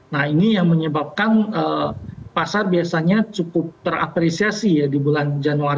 nah ini yang menyebabkan pasar biasanya cukup terapresiasi ya di bulan januari